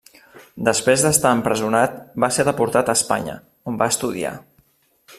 Després d'estar empresonat va ser deportat a Espanya, on va estudiar.